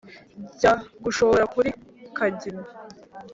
njya gushora kuri kagina,